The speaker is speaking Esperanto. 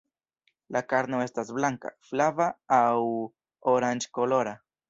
La karno estas blanka, flava aŭ oranĝkolora.